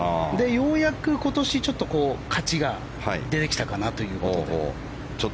ようやく今年、ちょっと勝ちが出ていたかなということで。